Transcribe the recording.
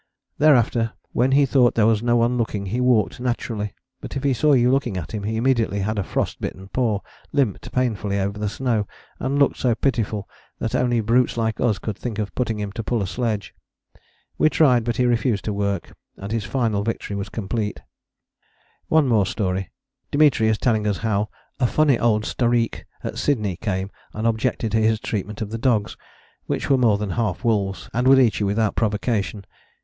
Thereafter when he thought there was no one looking he walked naturally; but if he saw you looking at him he immediately had a frost bitten paw, limped painfully over the snow, and looked so pitiful that only brutes like us could think of putting him to pull a sledge. We tried but he refused to work, and his final victory was complete. One more story: Dimitri is telling us how a "funny old Stareek" at Sydney came and objected to his treatment of the dogs (which were more than half wolves and would eat you without provocation).